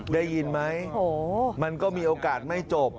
ได้ยินไหมมันก็มีโอกาสไม่จบ